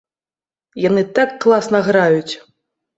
Яны так класна граюць!